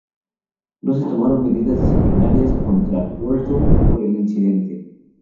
No se tomaron medidas disciplinarias contra Werdum por el incidente.